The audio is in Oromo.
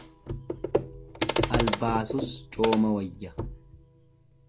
Albaasus cooma wayya.